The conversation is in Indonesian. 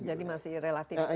jadi masih relatif sehat ya